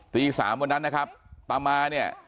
ตี๓วันนั้นนะครับตามาเนี่ย